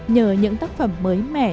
nhờ những tác phẩm mới mẻ